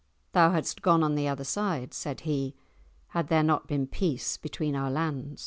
"Thou hadst gone on the other side," said he, "had there not been peace between our lands."